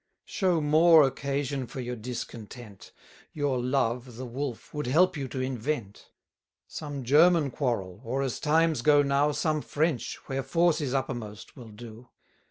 Show more occasion for your discontent; Your love, the Wolf, would help you to invent: 120 Some German quarrel, or, as times go now, Some French, where force is uppermost, will do.